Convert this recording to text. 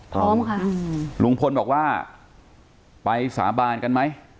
หรือรุงพลบอกว่าไปสะบานกันไหม